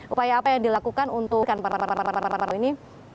upaya apa yang dilakukan untuk ini